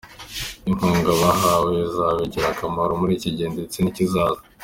Inkunga bahawe izabagirira akamaro muri iki gihe ndetse n’ikizaza.